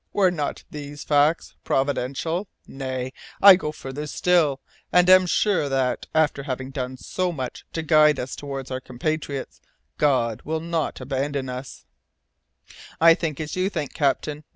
Were not these facts providential? Nay, I go farther still, and am sure that, after having done so much to guide us towards our compatriots, God will not abandon us " "I think as you think, captain.